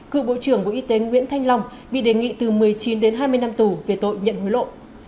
cựu bộ trưởng bộ y tế nguyễn thanh long bị đề nghị từ một mươi chín đến hai mươi năm tù về tội nhận hối lộ